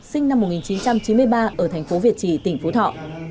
sinh năm một nghìn chín trăm chín mươi ba ở thành phố việt trì tỉnh phú thọ